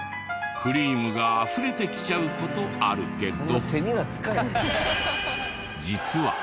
クリームがあふれてきちゃう事あるけど。